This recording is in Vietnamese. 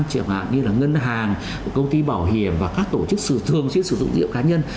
chẳng hạn như là ngân hàng công ty bảo hiểm và các tổ chức sử dụng sử dụng dịu cá nhân